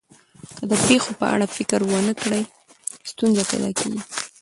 که د پېښو په اړه فکر ونه کړئ، ستونزه پیدا کېږي.